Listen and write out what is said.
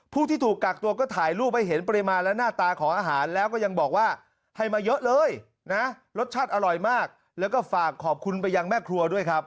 ผู้ที่ถูกกักตัวก็ถ่ายรูปให้เห็นปริมาณและหน้าตาของอาหารแล้วก็ยังบอกว่าให้มาเยอะเลยนะรสชาติอร่อยมากแล้วก็ฝากขอบคุณไปยังแม่ครัวด้วยครับ